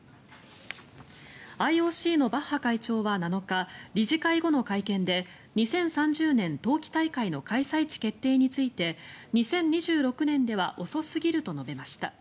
ＩＯＣのバッハ会長は７日理事会後の会見で２０３０年冬季大会の開催地決定について２０２６年では遅すぎると述べました。